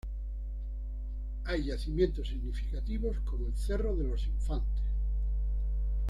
Hay yacimientos significativos como el cerro de los Infantes.